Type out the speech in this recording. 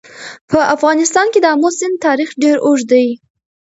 په افغانستان کې د آمو سیند تاریخ ډېر اوږد دی.